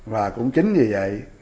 và cũng chính vì vậy